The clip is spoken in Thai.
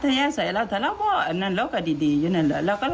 อัธยาศัยเราถ้าเราว่าอันนั้นเราก็ดีอยู่นั่นแหละ